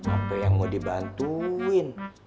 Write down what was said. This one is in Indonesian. apa yang mau dibantuin